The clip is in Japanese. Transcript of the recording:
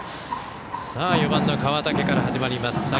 ４番の川竹から始まります。